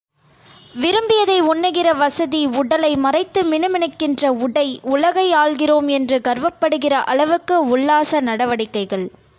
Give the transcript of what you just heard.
விரும்பியதை உண்ணுகிற வசதி உடலை மறைத்து மினுமினுக்கின்ற உடை, உலகை ஆள்கிறோம் என்று கர்வப்படுகிற அளவுக்கு உல்லாச நடவடிக்கைகள்.